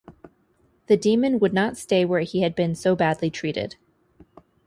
The demon would not stay where he had been so badly treated.